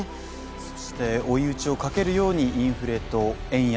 そして追い打ちをかけるようにインフレと円安。